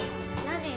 何？